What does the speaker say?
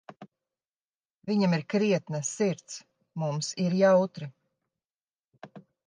Viņam ir krietna sirds, mums ir jautri.